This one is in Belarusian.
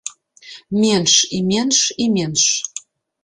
Менш, і менш, і менш.